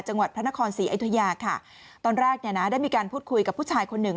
จังหวัดพระนครศรีอยุธยาค่ะตอนแรกเนี่ยนะได้มีการพูดคุยกับผู้ชายคนหนึ่ง